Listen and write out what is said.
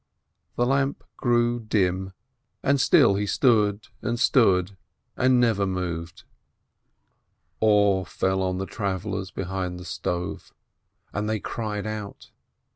The lamp grew dim, and still he stood and stood and never moved. 534 ASCH Awe fell on the travellers behind the stove, and they cried out.